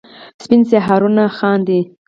سپین سهارونه خاندي